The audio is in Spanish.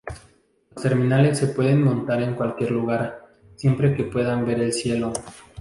Los terminales se pueden montar en cualquier lugar, siempre que puedan ver el cielo.